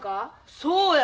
そうや。